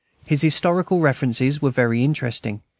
His historical references were very interesting.